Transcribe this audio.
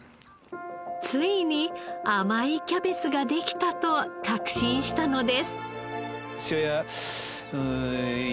ついに甘いキャベツができたと確信したのです。